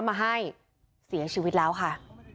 มาให้เสียชีวิตแล้วค่ะ